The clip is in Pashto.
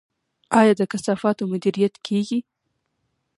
آیا د کثافاتو مدیریت کیږي؟